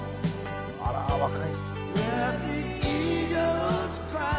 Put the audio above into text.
あら若い。